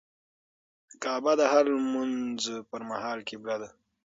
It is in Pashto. کعبه د هر لمونځه پر مهال قبله ده.